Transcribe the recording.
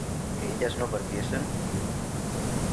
¿que ellas no partiesen?